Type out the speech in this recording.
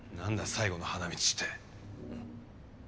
最後の花道って。